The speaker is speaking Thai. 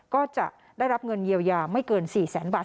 ก็จะได้รับเงินเยียวยาไม่เกิน๔แสนบาท